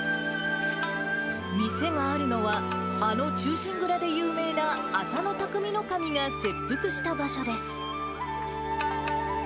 店があるのは、あの忠臣蔵で有名な、浅野内匠頭が切腹した場所です。